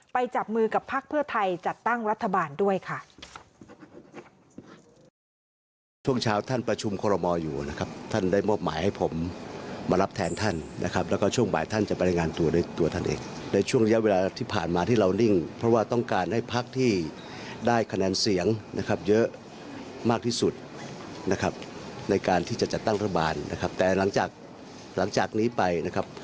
ที่จะจัดตั้งระบานนะครับแต่หลังจากนี้ไปนะครับ